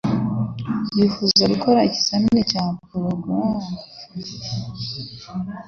Wifuza gukora ikizamini cya polygraph?